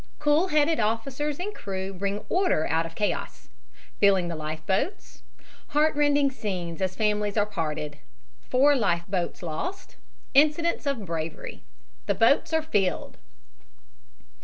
COOL HEADED OFFICERS AND CREW BRING ORDER OUT OF CHAOS FILLING THE LIFE BOATS HEARTRENDING SCENES AS FAMILIES ARE PARTED FOUR LIFE BOATS LOST INCIDENTS OF BRAVERY "THE BOATS ARE ALL FILLED!"